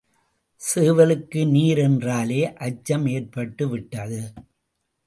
சேவலுக்கு நீர் என்றாலே அச்சம் ஏற்பட்டு விட்டது.